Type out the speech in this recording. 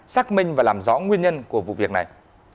xác minh và làm rõ nguyên nhân của vụ việc này